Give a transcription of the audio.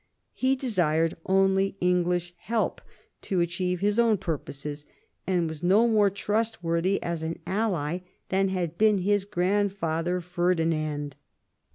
He desired only English help to achieve his own purposes, and was no more trustworthy as an ally than had been his grandfather Ferdinand.